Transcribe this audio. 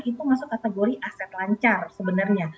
itu masuk kategori aset lancar sebenarnya